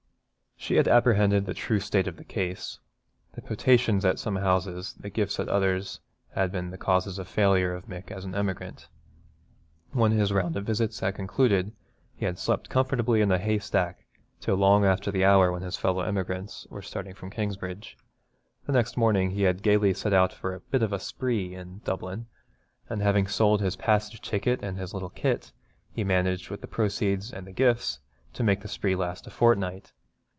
She had apprehended the true state of the case. The potations at some houses, the gifts at others, had been the causes of the failure of Mick as an emigrant. When his round of visits was concluded he had slept comfortably in a hay stack till long after the hour when his fellow emigrants were starting from Kingsbridge. The next morning he had gaily set out for 'a bit of a spree' in Dublin, and having sold his passage ticket and his little kit, had managed, with the proceeds and our gifts, to make the spree last a fortnight.